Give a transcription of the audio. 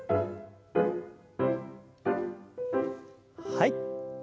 はい。